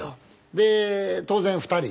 で当然２人で。